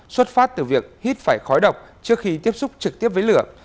xuất phát từ việc hít phải khói độc trước khi tiếp xúc trực tiếp với lửa